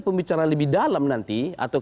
pembicaraan lebih dalam nanti atau